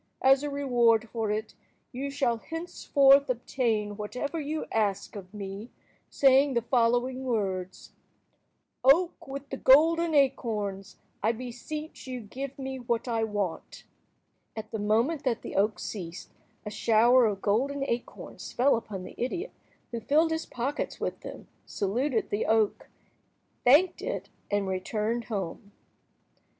As a reward for it, you shall henceforth obtain whatever you ask of me, saying the following words:— "Oak with the golden acorns, I beseech you give me what I want!" At the moment that the oak ceased, a shower of golden acorns fell upon the idiot, who filled his pockets with them, saluted the oak, thanked it, and returned home.